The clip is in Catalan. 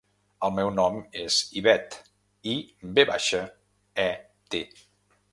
El meu nom és Ivet: i, ve baixa, e, te.